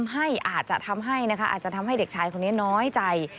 อาจจะทำให้เด็กชายคนนี้น้อยใจ